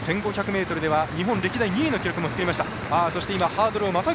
１５００ｍでは日本歴代２位の記録を作りました。